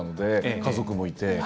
家族もいて。